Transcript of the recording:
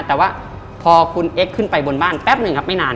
แต่ว่าพอคุณเอ็กซ์ขึ้นไปบนบ้านแป๊บหนึ่งครับไม่นาน